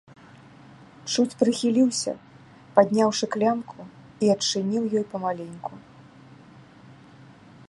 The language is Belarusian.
Чуць прыхіліўся, падняўшы клямку, і адчыніў ён памаленьку.